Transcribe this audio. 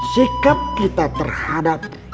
sikap kita terhadap